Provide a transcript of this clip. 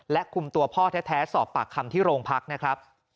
คุมตัวพ่อแท้สอบปากคำที่โรงพักนะครับ